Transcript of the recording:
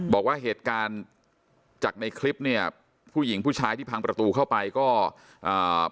บอกว่าเหตุการณ์จากในคลิปเนี่ยผู้หญิงผู้ชายที่พังประตูเข้าไปก็อ่า